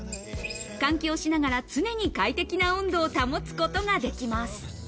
換気をしながら常に快適な温度を保つことができます。